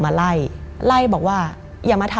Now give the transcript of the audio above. มันกลายเป็นรูปของคนที่กำลังขโมยคิ้วแล้วก็ร้องไห้อยู่